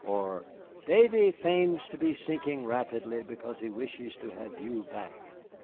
Or, "Davy feigns to be sinking rapidly because he wishes to have you back."